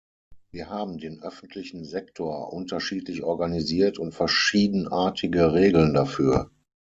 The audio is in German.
Wir haben den öffentlichen Sektor unterschiedlich organisiert und verschiedenartige Regeln dafür.